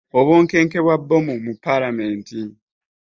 Obunkenke bwa bbomu mu palamenti.